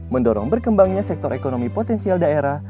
mendorong berkembangnya sektor ekonomi potensial daerah